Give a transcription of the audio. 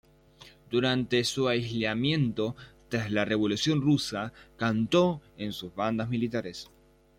Durante su alistamiento, tras la Revolución rusa, cantó en sus bandas militares.